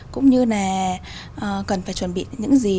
cũng như là cần phải chuẩn bị những gì